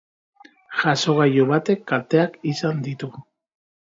Jasogailu batek kalteak izan ditu.